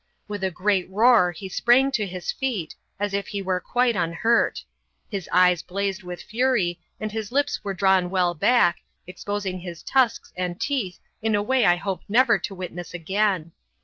With a great roar he sprang to his feet, as if he were quite unhurt; his eyes blazed with fury, and his lips were drawn well back, exposing his tusks and teeth in a way I hope never to witness again.